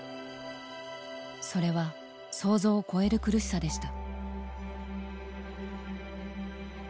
それは想像を超える苦しさでした。